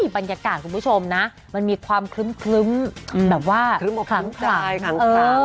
บรรยากาศคุณผู้ชมนะมันมีความครึ้มแบบว่าขัง